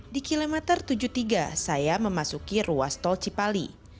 di kilometer tujuh puluh tiga saya memasuki ruas tol cipali